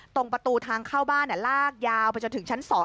ตรงประตูทางเข้าบ้านลากยาวไปจนถึงชั้น๒